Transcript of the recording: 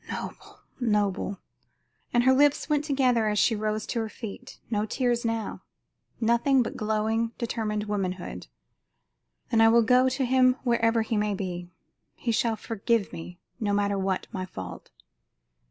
Noble, noble!" And her lips went together as she rose to her feet. No tears now; nothing but glowing, determined womanhood. "Then I will go to him wherever he may be. He shall forgive me, no matter what my fault."